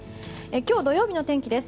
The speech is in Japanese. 今日、土曜日の天気です。